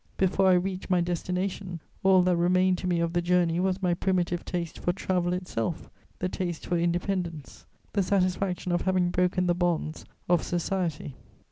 Before I reached my destination, all that remained to me of the journey was my primitive taste for travel itself, the taste for independence, the satisfaction of having broken the bonds of society.